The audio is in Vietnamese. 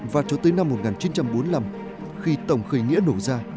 và cho tới năm một nghìn chín trăm bốn mươi năm khi tổng khởi nghĩa nổ ra